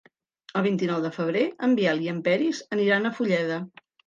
El vint-i-nou de febrer en Biel i en Peris aniran a Fulleda.